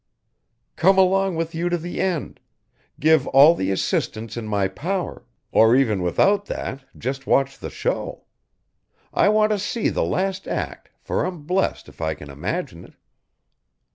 "Come along with you to the end, give all the assistance in my power or even without that just watch the show. I want to see the last act for I'm blessed if I can imagine it."